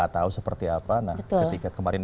tahu seperti apa nah ketika kemarin